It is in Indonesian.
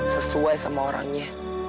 sesuai sama orangnya